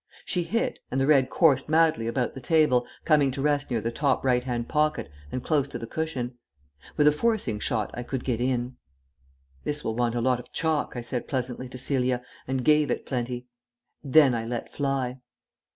She hit, and the red coursed madly about the table, coming to rest near the top right hand pocket and close to the cushion. With a forcing shot I could get in. "This will want a lot of chalk," I said pleasantly to Celia, and gave it plenty. Then I let fly....